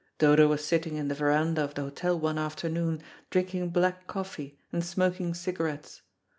Dodo was sitting in the verandah of the hotel one afternoon, drinking black coffee and smoking cigarettes.